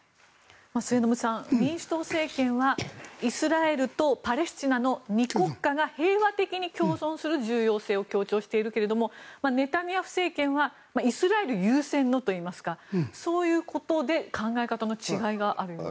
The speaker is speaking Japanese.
末延さん、民主党政権はイスラエルとパレスチナの２国家が平和的に共存する重要性を強調しているけれどもネタニヤフ政権はイスラエル優先のといいますかそういうことで考え方の違いがあるようです。